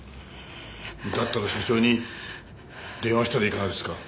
だったら社長に電話したらいかがですか？